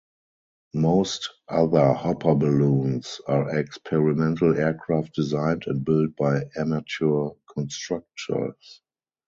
Most other hopper balloons are experimental aircraft designed and built by amateur constructors.